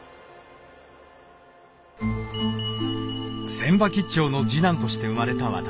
船場兆の次男として生まれた私。